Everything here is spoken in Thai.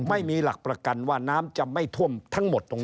ไม่มีหลักประกันว่าน้ำจะไม่ท่วมทั้งหมดตรงนี้